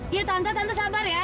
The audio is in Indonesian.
ya tante tante sabar ya